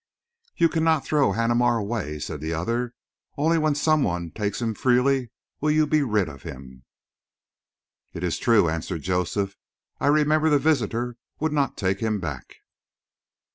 "You cannot throw Haneemar away," said the other. "Only when some one takes him freely will you be rid of him." "It is true," answered Joseph. "I remember the visitor would not take him back."